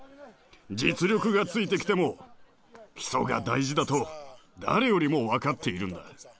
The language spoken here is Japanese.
実力がついてきても基礎が大事だと誰よりも分かっているんだ。